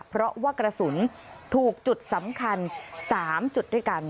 เพราะว่ากระสุนถูกจุดสำคัญ๓จุดด้วยกัน